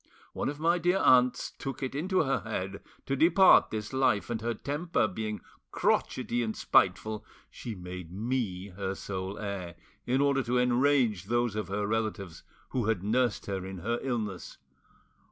One of my dear aunts took it into her head to depart this life, and her temper being crotchety and spiteful she made me her sole heir, in order to enrage those of her relatives who had nursed her in her illness.